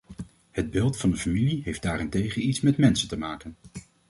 Het beeld van de familie heeft daarentegen iets met mensen te maken.